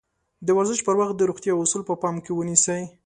د ورزش پر وخت د روغتيا اَصول په پام کې ونيسئ.